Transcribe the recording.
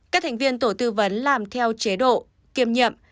các thành viên tổ tư vấn làm theo chế độ